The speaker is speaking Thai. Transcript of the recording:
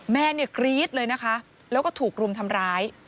แม่เนี่ยกรี๊ดเลยนะคะแล้วก็ถูกรุมทำร้าย